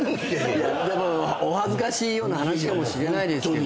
でもお恥ずかしいような話かもしれないですけど。